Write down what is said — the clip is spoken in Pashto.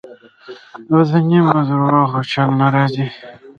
او د نیمو درواغو چل نه راځي.